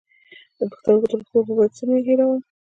د پښتورګو د روغتیا لپاره باید څه مه هیروم؟